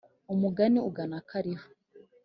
Umugani ugana akariho.